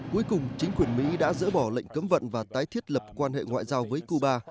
cuối cùng chính quyền mỹ đã dỡ bỏ lệnh cấm vận và tái thiết lập quan hệ ngoại giao với cuba